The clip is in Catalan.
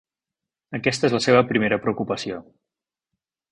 Aquesta és la seva primera preocupació.